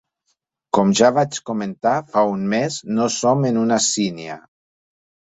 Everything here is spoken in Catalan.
Com ja vaig comentar fa un mes, no som en una sínia.